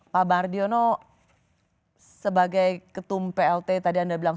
pak bardiono sebagai ketum plt tadi anda bilang